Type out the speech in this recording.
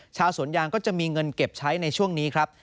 ชาวสวนยางก็จะมีเงินเก็บใช้ในช่วงนี้ครับ